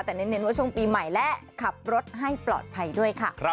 แต่เน้นว่าช่วงปีใหม่และขับรถให้ปลอดภัยด้วยค่ะ